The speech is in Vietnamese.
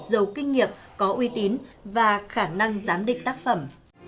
giấu kinh nghiệp có uy tín và khả năng giám định tác phẩm